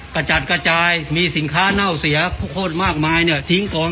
กระจัดกระจายมีสินค้าเน่าเสียกระโคตรมากมายทิ้งกอง